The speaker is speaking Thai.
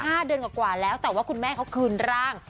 เดือนกว่ากว่าแล้วแต่ว่าคุณแม่เขาคืนร่าง